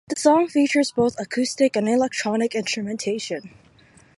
The song features both acoustic and electronic instrumentation.